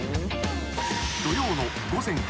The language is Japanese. ［土曜の午前８時］